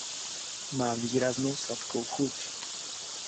Má výraznou sladkou chuť.